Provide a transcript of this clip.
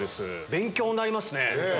勉強になりますね。